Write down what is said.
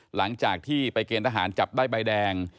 หลังจากที่ไปเกณฑ์ทหารจับได้ใบแดง